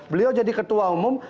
beliau jadi ketua umum